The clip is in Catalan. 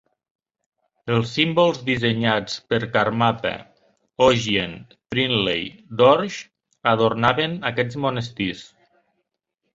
Els símbols dissenyats per Karmapa Ogyen Trinley Dorje adornaven aquests monestirs.